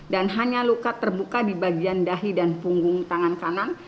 dan hanya luka terbuka di bagian dahi dan punggung tangan kanan